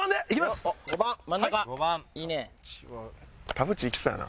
田渕いきそうやな。